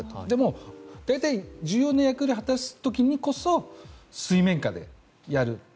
でも、大体重要な役を果たす時こそ水面下でやる。